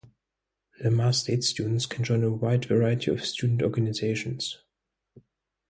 Lamar State students can join a wide variety of student organizations.